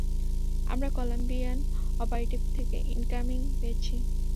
আমরা Colombian operative থেকে incoming পেয়েছি।